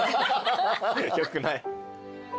よくない。